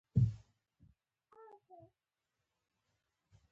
د احمدشاه بابا خزانه له سروزرو، ګاڼو او قیمتي ډبرو نه ډکه وه.